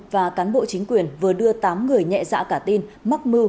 và cán bộ chính quyền vừa đưa tám người nhẹ dạ cả tin mắc mưu